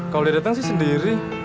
kalau dia datang sih sendiri